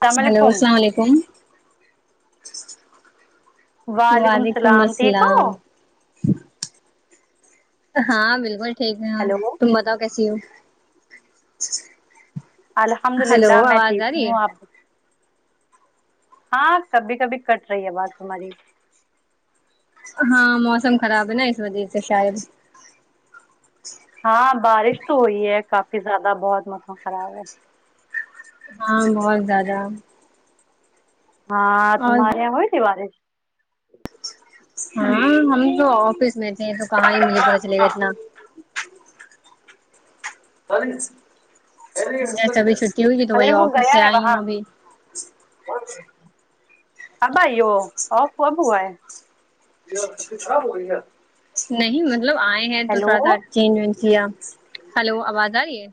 السلام ہیلو علیکم السلام علیکم وعلیکم السلام ٹھیک ہو ہاں بالکل ٹھیک ہے ہیلو تم بتاؤ کیسی ہو الحمد ہلو اللہ میں آواز ٹھیک آ رہی ہوں ہے آب ہاں کبھی کبھی کٹ رہی آواز تمہاری ہاں موسم خراب ہے نا اس وجہ سے شاید ہاں بارش تو ہوئی ہے کافی زیادہ بہت موسم خراب ہے ہاں بہت زیادہ ہاں اور تمہارے یہ ہوئی تھی بارش ہاں ہم تو آفس میں تھے تو کہاں ہی مجھے پتاہ چلے گا اتنا جیسے ابھی چھٹی ہوئیگی تو وہی ارے وہ آفس سے گیا ہے آئی ہوں وہاں ابھی اب ائی ہو اوف اب ہوا ہے نہیں مطلب آئے ہیں تو ہیلو تھوڑا سا چینج وینج کیا ہلو وہ آواز آ رہی ہے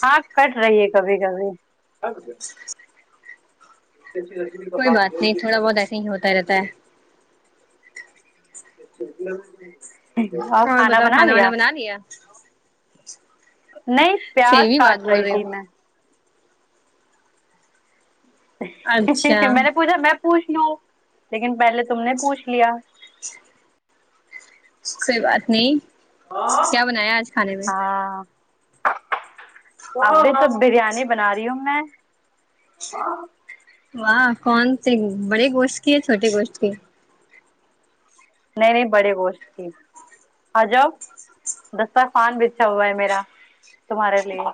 ہاں کٹ رہی ہے کبھی کبھی کاات کوئی بات نہیں تھوڑا بہت [unintelligible] ایسے ہوتا رہتا ہے اور کھانا بنا لیا نہیں پیاس سیمی بات کاٹ بول رہی رہے تھی ہو میں اچھا میں نے پوچھا میں پوچھ لوں لیکن پہلے تم نے پوچھ لیا کوئی بات نہیں کیا بنایا آج کھانے میں ایسے تو بریانی بنا رہی ہوں میں واہ کون سی بڑے گوشت کی یا چھوٹے گوشت کی نہیں نہیں بڑے گوشت کی آ جاؤ دسر خان بچھا ہوا ہے میرا تمہارے لیے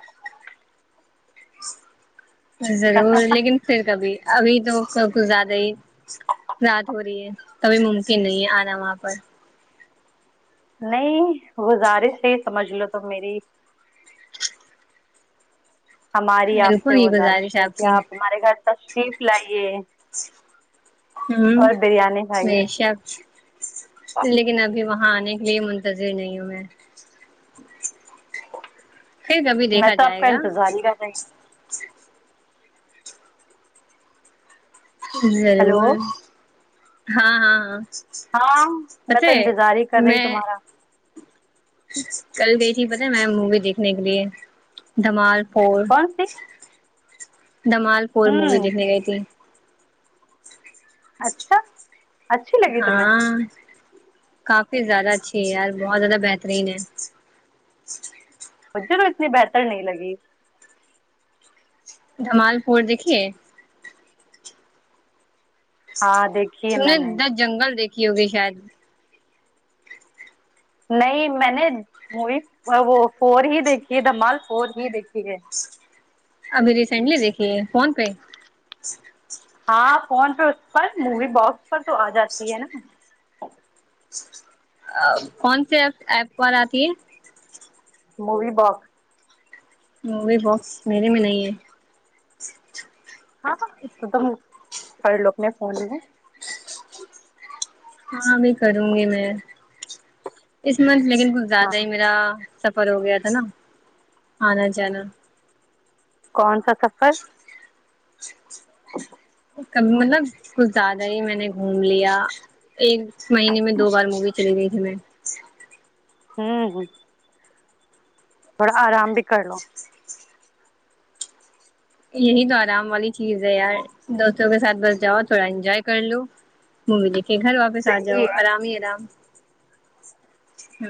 ضرور لیکن پھر کبھی ابھی تو سب کچھ زیادہ ہی رات ہو رہی ہے کبھی ممکن نہیں ہے آنا وہاں پر نہیں گزارش ہے سمجھ لو تم میری ہماری آپ سے بالکل یہ گزارش ہے کہ کی آپ ہمارے گھر تشریف لائیے ہوں اور بریانی کھائیے بیشک لیکن ابھی وہاں آنے کے لیے منتظر نہیں ہوں میں پھر کبھی میں دیکھا تو آپ جائے کا گا انتظار ہی کر رہی ہوں ہیلو ضرور ہاں ہاں ہاں ہاں میں پتہ تو ہے انتظار ہی کر رہی ہ میں تمہارا کل گئی تھی پت ہے میں مووی دیکھنے کے لیے دھمال فور کون سی دھمال فور مووی ہوں دیکھنے گئی تھی اچھا اچھی لگی تمہیں ہاں کافی زیادہ اچھی ہے یار بہت زیادہ بہترین ہے مجھے تو اتنی بہتر نہیں لگی دھمال فور دیکھیے ہاں دیکھ تم نے دہ جنگل دیکھی ہوگی شاید نہیں میں نے مووی وہ فور ہی دیکھی ہے دھمال فور ہی دیکھی ہے ابھی ریسینٹلی دیکھی ہے فون پہ ہاں فون پہ اس پر مووی باکس پر تو آ جاتی ہے نا کون سے ایپ پر آتی ہے مووی باکس مووی باکس میرے میں نہیں ہے ہاںاں تم سڑ لو نے فون ہاں بھی کروں گی میں اس منتھ لیکن کچھ ہاں زیادہ ہی میرا سفر ہو گیا تھا نا آنا جانا کون سا سفر مطلب کچھ زیادہ ہی میں نے گھوم لیا ایک مہینے میں دو بار مووی چلی گئی تھی میں ہوں ہ تھوڑا آرام بھی کر لو یہی تو آرام والی چیز ہے یار دوستوں کے ساتھ بس جاؤ تھوڑا انجوائے کر لو ممی دیکھے گھر واپس آ جاؤ صحیح ہے آرام ہی آرام ہ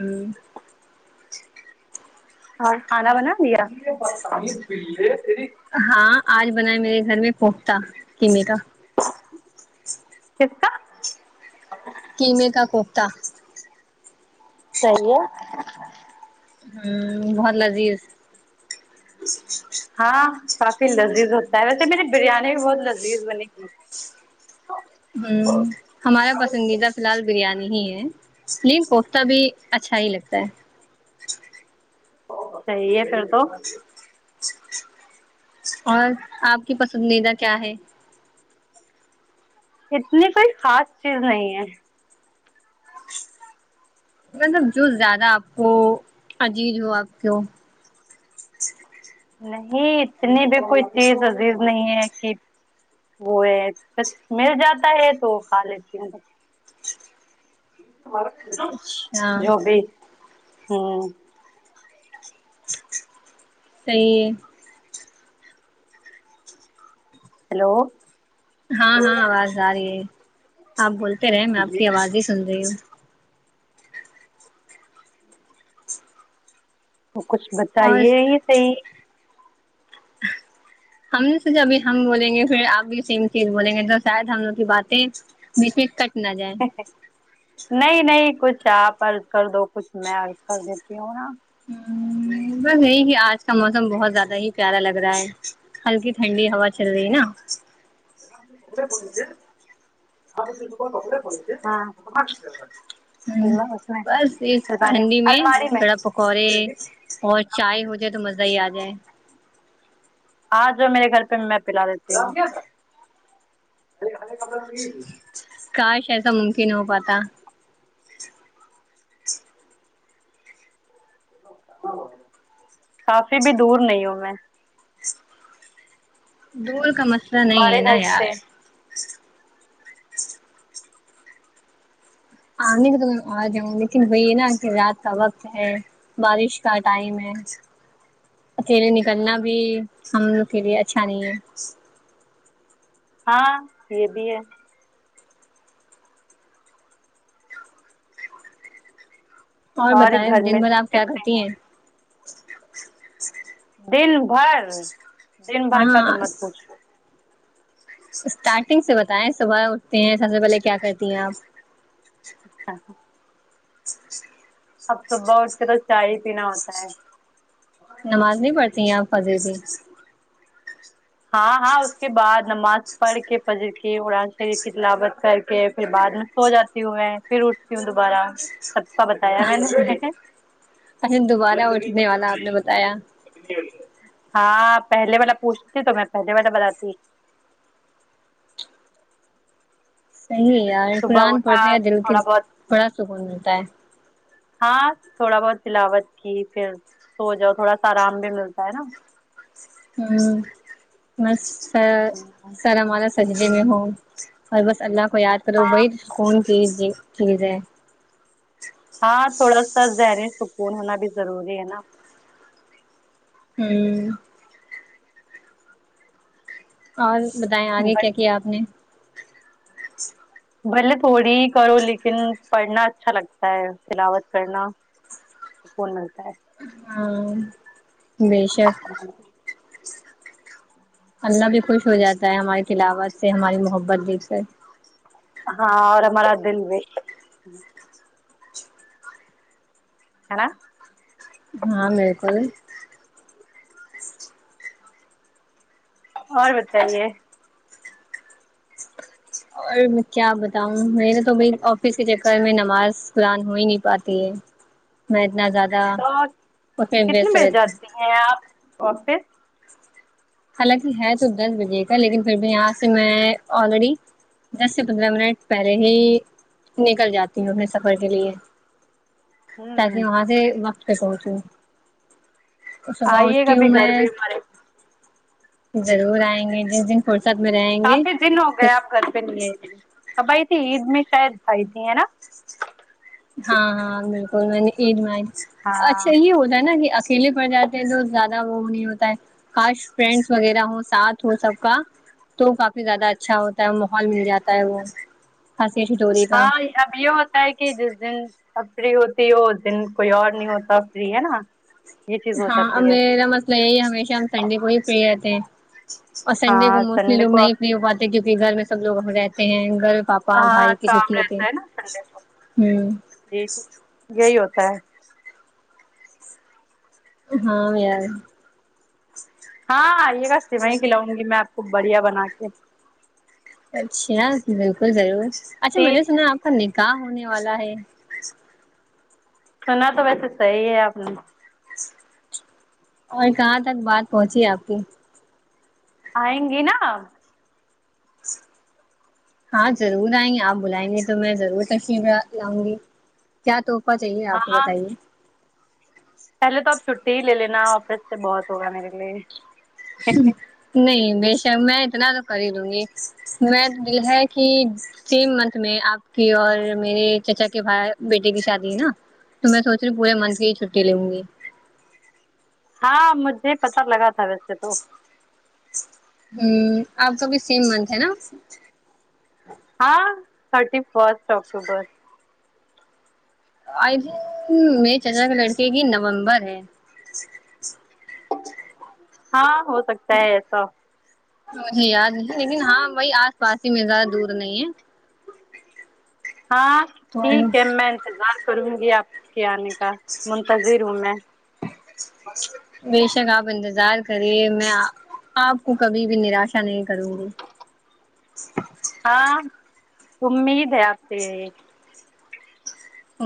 ہاں کھانا بنا م پےری ہاں آج بناائے میرے گھر میں پوختتا قمے کا کس کا قمے کا کوتتا صحیح ہے ہوں بہت لازی ہاں کافی لذیذ ہوتا ہے ویسے میں نے بریانی بھی بہت لذیذ بنی ت ہوں ہمارا پسندیدہ فی الحال بریانی ہی ہے ین کوختتا بھی اچھا ہی لگتا ہے صحیح ہے پھر تو اور آپ کی پسندیدہ کیا ہے اتنی کوئی خاص چیز نہیں ہے مطلب جو زیادہ آپ کو عجیز ہو آپ کو نہیں اتنی بھی کوئی چیز عزیز نہیں ہے کہ وہ ہے مل جاتا ہے تو کھا لیتی ہوں اچھا جو بھی ہوں صحیح ہے ہیلو ہاں ہاں آواز آ رہی ہے آپ بولتے رہے میں آپ جی کی آواز ہی سن رہی ہوں وہ کچھ اور بتائیے ہی صحی ہم نے سے ج ابھی ہم بولیں گے پھر آپ بھی سیم چیز بولیں گے تو شاید ہم لوگ کی باتیں م پ کٹنا جائے نہیں نہیں کچھ آپ ارض کر دو کچھ میں ارض کر دیتی ہوں نا ہ بس یہی کہ آج کا موسم بہت زیادہ ہی پیارا لگ رہا ہے ہلکی ٹھنڈی ہوا چل رہی ہے نا [inaudible] ہ اس میں بس اس ٹھنڈی میں بریڈ پکوڑے اور چائے ہو جائے تو مزہ ہی آ جائے آج میرے گھر پہ میں پلا دیتی ہوں کاش ایسا ممکن ہو پاتا کافی بھی دور نہیں ہوں میں دھول کا مثلا نہیں ہے ہمارے نا گھر یار سے آنے تو میں آ جاؤں لیکن وہی یہ نا کہ رات کا وقت ہے بارش کا ٹائم ہے اکیلے نکلنا بھی ہم لوگ کے لیے اچھا نہیں ہے ہاں یہ بھی ہے اور بتائیں گھر میں دن بھر سب آپ کیا کیسے کرتی ہیں دن بھر دن بھر کا تو ہاں مت پوچو اسٹارٹنگ سے بتائیں صبح اٹھتے ہیں سب سے پہلے کیا کرتی ہیں آپ اچھا اب صبح اٹھ کے تو چائے ہی پینا ہوتا ہے نماز نہیں پڑھتی ہیں آپ پضے بھی ہاں ہاں کے بعد نماز پڑھ کے پجر کے ارآن شریف کی تلاوت کر کے پھر بعد سو جاتی ہوں میں پھر اٹھتی ہوں دوبارہ سب کا بتایا میں نے اے دوبارہ اٹھنے والا آپ نے بتایا ہاں پہلے والا پوچھتی تو میں پہلے والا بتاتی صحیح یار صبح قرآن اٹھا پڑھتے دل کے تھوڑا بہت بڑا سکون ملتا ہے ہاں تھوڑا بہت تلاوٹ کی پھر سو جاؤ تھوڑا سا آرام بھی ملتا ہے نا ہ بس سر سر ہمارا خججے میں ہوں اور بس اللہ کو یاد کرو ہاں بڑی سکون کی چیز ہے ہاں تھوڑا سا ذہنی سکون ہونا بھی ضروری ہے نا ہمم اور بتائیں آگے بٹ کیا کیا آپ نے بھلے تھوڑی ہی کرو لیکن پڑھنا اچھا لگتا ہے تلاوت کرنا سکون ملتا ہے ہاں بے شک ہاں اللہ بھی خوش ہو جاتا ہے ہماری تلاوت سے ہماری محبت دل سے ہاں اور ہمارا دل بھی ہے نا ہاں بالکل اور بتائیے اور میں کیا بتاؤں میرے تو بھائی آفس کے چکر میں نماز قرآن ہو ہی نہیں پاتی ہے میں اتنا زیادہ اس ب [unintelligible] [unintelligible] ی رہتا ہے آپ آفس حالانکہ ہے تو دس بجے کا لیکن پھر بھی یہاں سے میں آلریڈی دس سے پندرہ منٹ پہلے ہی نکل جاتی ہوں اپنے سفر کے لیے تاکہ ہوں وہاں سے وقت پہ پہنچو صبح آئیے گا اٹھتی ہوں بھی میں گھر بھی ہمارے ضرور آئیں گے جس دن فرصت میں رہیں گے کافی دن ہو گئے آپ گھر کب آ ئی تھی عید میں شاید آئی تھی ہے نا ہاں ہاں بالکل میں نے عید میں آیی ہاں اچھا یہ ہے نا یہ اکیلے پڑ جاتے ہیں تو زیادہ وہ نہیں ہوتا ہے کاش فرینڈس وغیرہ ہو ساتھ ہو سب کا تو کافی زیادہ اچھا ہوتا ہے ماحول مل جاتا ہے وہ ہنسی ٹھٹوہلی کا ہاں اب یہ ہوتا ہے کہ جس دن اب فری ہوتی ہو اس دن کوئی اور نہیں ہوتا فری ہے نا یہ چیز ہو ہاں جاتی ہے میرا مطلب یہی ہمیشہ ہم سنڈے کو ہی فری رہتے ہیں اور سنڈے ہاں کو موسٹلی سنڈے لوگ کو نہیں فری ہو پاتے کیونکہ گھر میں سب لوگ رہتے ہیں گھر باپ ہاں بھائی کی کام چھوٹی ہوتی ہے یہی تو یہی ہوتا ہے ہاں یار ہاں آئیے گا سویاں کھلاؤں گی میں آپ کو بڑھیا بنا کے اچھا بالکل ضرور اچھا میں نے ٹھیک سنا ہے آپ کا نکاح ہونے والا ہے سنا تو ویسے صحیح ہے آپ نے اور کہاں تک بات پہنچی آپ کی آیں گیں نا آپ ہاں ضرور آئیں گے آپ بلائیں گے تو میں ضرور تشریف لاؤں گی کیا تحفہ چاہیے آپ کو ہاں بتائیے پہلے تو اب چھٹی ہی لے لینا آفس سے بہت ہوگا میرے لیے ہوں نہیں بے شک میں اتنا تو کر ہی دوں گی میں تو دل ہے کی سیم منتھ میں آپ کی اور میرے چچا کے بھ بیٹے کی شادی ہے نا تو میں سوچ رہی پورے منتھ کی ہی چھٹی لوں گی ہاں مجھے پتا لگا تھا ویسے تو ہ آپ کا بھی سیم منتھ ہے نا ہاں thirty first October I think میرے چچا کے لڑکے کی نومبر ہے ہاں ہو سکتا ہے ایسا مجھے یاد نہیں لیکن ہاں وہی آس پاس ہی میں زیادہ دور نہیں ہے ج [inaudible] ہاں ٹھیک ہے تو میں انتظار کروں گی آپ کے آنے کا منتظر ہوں میں بے شک آپ انتظار کریے میں آپ کو کبھی بھی نراشا نہیں کروں گی ہاں امید ہے آپ کے یہ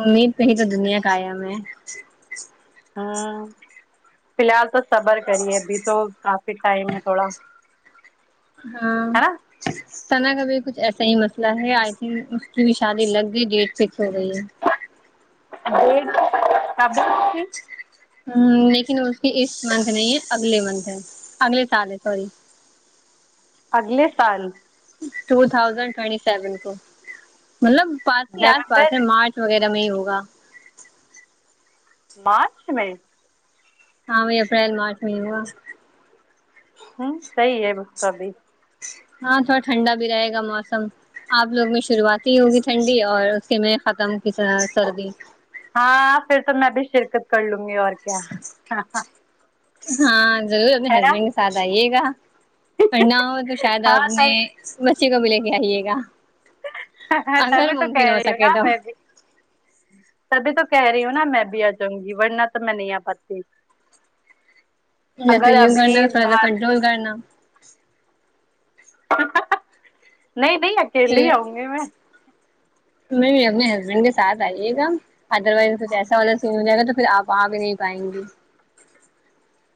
امید پہ ہی تو دنیا کا آیا میں ہوں فی الحال تو صبر کریے ابھی تو کافک ٹائم ہے تھوڑا ہاں ہے نا سثنا کا بھی کچھ ایسا ہی مسئلہ ہے آئی تھنک اس کی بھی شادی لگ گئی ڈیٹ فکس ہو گئی ہے ی کبے [unintelligible] ہ لیکن اس کی اس منتھ نہیں ہے اگلے منتھ ہے اگلے سال ہے سوری اگلے سال ٹو تھازینڈ ٹوینٹی سیون کو مطلب پس ہی آس نومبر پاس ہے مارچ وغیرہ میں ہی ہوگا مارچ میں ہ اپریل مارچ میں ہووا ہوں صحیح ہے اس کا بھی ہاں تھوڑا ٹھنڈا بھی رہے گا موسم آپ لوگ میں شروعات ہی ہوگی ٹھنڈی اور اس کے میں ختم کی سردی ہاں پھر تو میں ابھی شرکت کر لوں گی اور کیا ہاں ضرور اپنے نا ہسبینڈ کے ساتھ آئیے گا پڑھنا ہو تو شاید ہاں آپ نے تب بچی کو بھی لے کے آئیے گا تب اگر تو کہہ ممکن ہو رہی ہ نا سکے تو میں بھی تبھی تو کہہ رہی ہوں نا میں بھی آ جاؤں گی ورنہ تو میں نہیں آ پاتی ناقابل سماعت یا سا یہوم کرنا تھوڑا سا کنٹرول کرنا نہیں نہیں اکیلے ہی آؤں گی میں میں بھی اپنے ہسبینڈ کے ساتھ آئیے گا ادر وائز کچھ ایسا والا سین ہو جائے گا تو پھر آپ وہاں بھی نہیں پائیں گی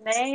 نہیں